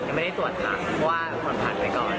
ไม่ได้ตรวจค่ะเพราะว่าผ่อนผันไว้ก่อน